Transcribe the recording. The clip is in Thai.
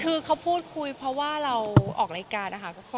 คือเขาพูดคุยเพราะว่าเราออกรายการนะคะ